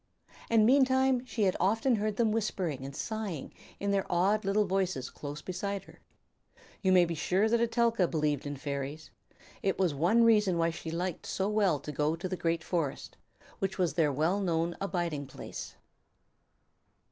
And meantime she had often heard them whispering and sighing in their odd little voices close beside her. You may be sure that Etelka believed in fairies. It was one reason why she liked so well to go to the great forest, which was their well known abiding place.